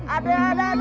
aduh aduh aduh